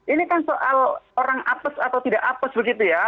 ini kan soal orang apes atau tidak apes begitu ya